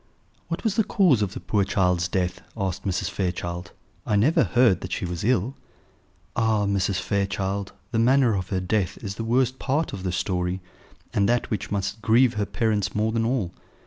"What was the cause of the poor child's death?" asked Mrs. Fairchild. "I never heard that she was ill." "Ah! Mrs. Fairchild, the manner of her death is the worst part of the story, and that which must grieve her parents more than all.